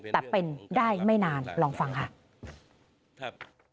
แต่เป็นได้ไม่นานลองฟังค่ะ